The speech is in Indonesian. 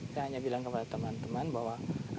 saya hanya bilang kepada teman teman bahwa